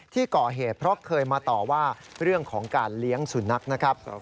ที่ก่อเหตุเพราะเคยมาต่อว่าเรื่องของการเลี้ยงสุนัขนะครับ